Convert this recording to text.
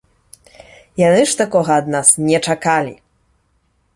Яны ж такога ад нас не чакалі!